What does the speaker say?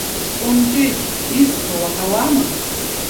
Кәымҷыҷ, исҳәоу уаҳауама?!